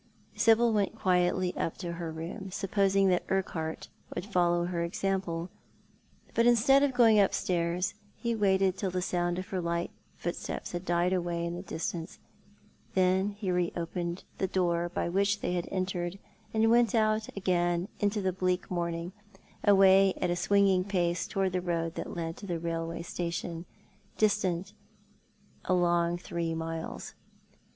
Sibyl went quietly up to her room, supposing that Urquhart would follow her example ; but instead of going upstairs he waited till the sound of her light footsteps had died away in the distance, and then he reopened the door by which they had entered, and went out again into the bleak morning, and away at a swinging pace towards the road that led to the railway station, distant a long three miles.